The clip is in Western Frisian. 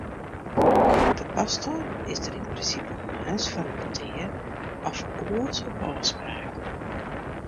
De pastor is der yn prinsipe moarns foar in petear, of oars op ôfspraak.